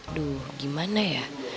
aduh gimana ya